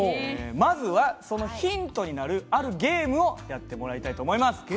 まずはそのヒントになるあるゲームをやってもらいたいと思います。